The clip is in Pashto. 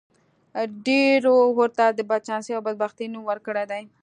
ډېرو ورته د بدچانسۍ او بدبختۍ نوم ورکړی دی.